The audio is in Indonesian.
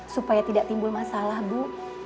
supaya tidak timbul masalah bu